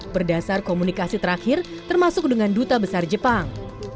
berdasar komunikasi terakhir termasuk dengan duta besar jepang